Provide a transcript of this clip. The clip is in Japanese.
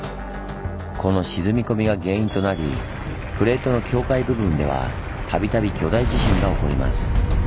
この沈み込みが原因となりプレートの境界部分では度々巨大地震が起こります。